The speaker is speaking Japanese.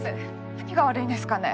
何が悪いんですかね